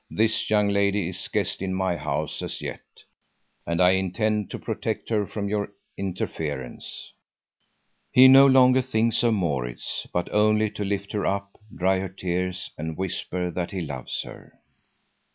"This young lady is guest in my house as yet, and I intend to protect her from your interference." He no longer thinks of Maurits, but only to lift her up, dry her tears and whisper that he loves her.